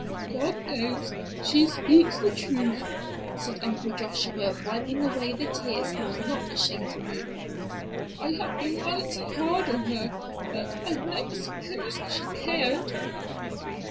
"God knows she speaks the truth," said Uncle Joshua, wiping away the tears he was not ashamed to weep. "I have been mighty hard on her, but I never s'posed she cared."